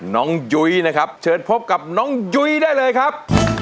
ยุ้ยนะครับเชิญพบกับน้องยุ้ยได้เลยครับ